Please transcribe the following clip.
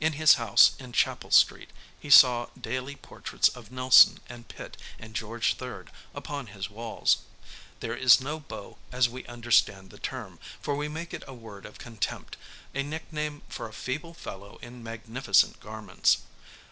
In his house in Chapel Street he saw daily portraits of Nelson and Pitt and George III. upon his walls. This is no Beau as we understand the term, for we make it a word of contempt, a nickname for a feeble fellow in magnificent garments.